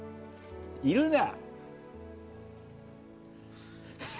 いるな！